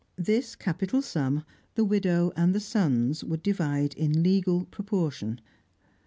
This capital sum, the widow and the sons would divide in legal proportion.